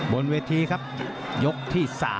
บนเวทีครับยกที่๓